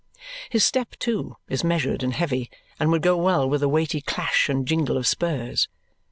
His step too is measured and heavy and would go well with a weighty clash and jingle of spurs.